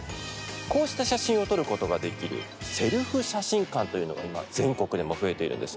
こうした写真を撮ることができるセルフ写真館というのが、今全国でも増えているんです。